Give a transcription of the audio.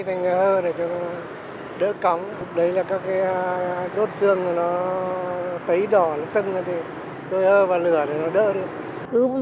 tay thì ơ để đỡ cống đấy là các cái đốt xương nó tấy đỏ nó phân ra thì tôi ơ vào lửa thì nó đỡ được